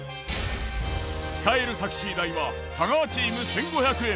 使えるタクシー代は太川チーム１，５００円。